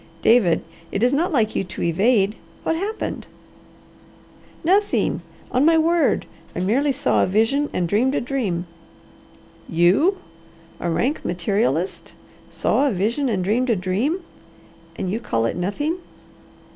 "David, it is not like you to evade. What happened?" "Nothing! On my word! I merely saw a vision and dreamed a dream." "You! A rank materialist! Saw a vision and dreamed a dream! And you call it nothing.